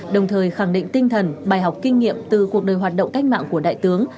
đồng thời khẳng định tinh thần bài học kinh nghiệm từ cuộc đời hoạt động cách mạng của đại tướng